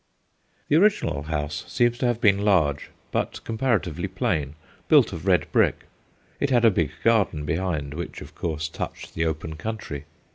The original house seems to have been large, but comparatively plain, built of red brick. It had a big garden behind, which of course touched the open country.